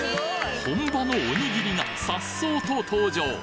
本場のおにぎりが颯爽と登場！